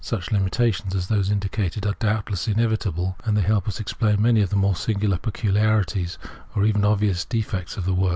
Such limitations as those indicated ard doubtless inevitable, and they help us to explain many ot the more singular peculiarities, or even obvious defects, of the work.